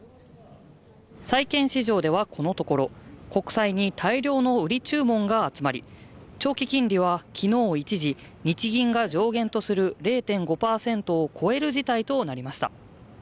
債券市場ではこのところ国債に大量の売り注文が集まり、長期金利は昨日一時、日銀が上限とする０．５％を超える事態となりました。